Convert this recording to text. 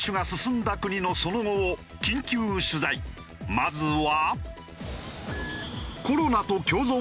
まずは。